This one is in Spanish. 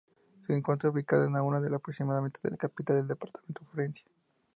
Se encuentra ubicado a una hora aproximadamente de la capital del departamento Florencia.